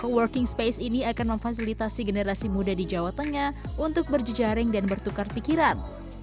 working space ini akan memfasilitasi generasi muda di jawa tengah untuk berjejaring dan bertukar pikiran